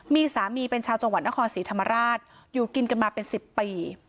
มีสามีเป็นชาวจังหวัดนครศรีธรรมราชอยู่กินกันมาเป็น๑๐ปี